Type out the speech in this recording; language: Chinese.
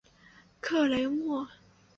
克雷莫。